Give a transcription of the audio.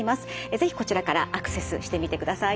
是非こちらからアクセスしてみてください。